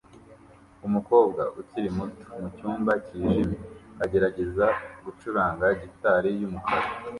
Umukobwa ukiri muto mucyumba cyijimye agerageza gucuranga gitari yumukara